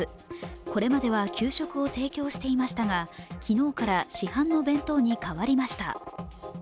これまでは給食を提供していましたが昨日から市販の弁当に変わりました。